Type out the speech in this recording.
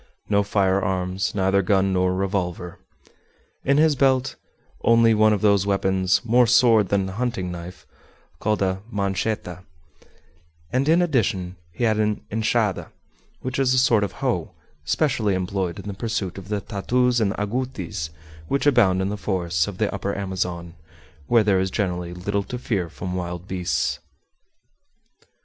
No firearms neither gun nor revolver. In his belt only one of those weapons, more sword than hunting knife, called a "manchetta," and in addition he had an "enchada," which is a sort of hoe, specially employed in the pursuit of the tatous and agoutis which abound in the forests of the Upper Amazon, where there is generally little to fear from wild beasts.